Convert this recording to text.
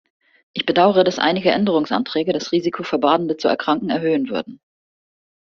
Ich bedauere, dass einige Änderungsanträge das Risiko für Badende zu erkranken, erhöhen würden.